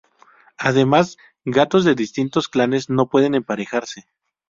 Además, gatos de distintos clanes no pueden emparejarse.